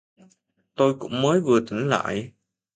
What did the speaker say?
Tôi cũng mới vừa tỉnh lại